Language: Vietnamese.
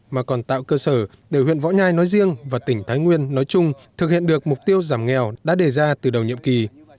mà còn tạo cơ sở để huyện võ nhai nói riêng và tỉnh thái nguyên nói chung thực hiện được mục tiêu giảm nghèo đã đề ra từ đầu nhiệm kỳ